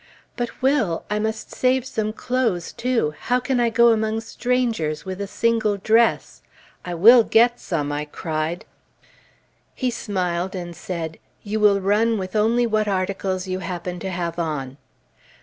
"But Will I must save some clothes, too! How can I go among strangers with a single dress? I will get some!" I cried. He smiled and said, "You will run with only what articles you happen to have on."